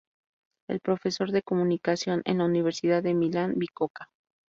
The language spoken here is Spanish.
Es profesor de comunicación en la Universidad de Milán-Bicocca.